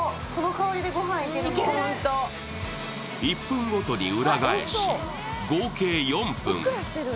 １分ごとに裏返し、合計４分。